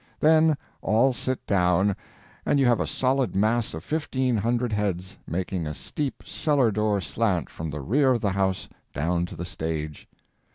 Then all sit down, and you have a solid mass of fifteen hundred heads, making a steep cellar door slant from the rear of the house down to the stage.